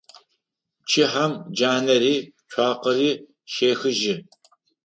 Пчыхьэм джанэри цуакъэри щехыжьы.